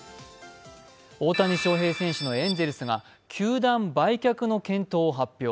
大谷翔平選手のエンゼルスが球団売却の検討を発表。